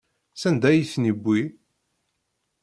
Sanda ay ten-yewwi?